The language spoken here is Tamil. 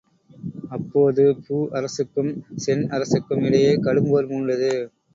அப்போது, பூ அரசுக்கும் சென் அரசுக்கும் இடையே கடும்போர் மூண்டது.